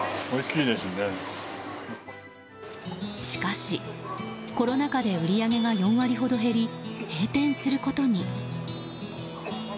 しかし、コロナ禍で売り上げが４割ほど減り閉店することに。